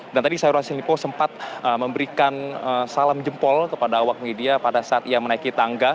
dan tadi sel sempat memberikan salam jempol kepada awak media pada saat ia menaiki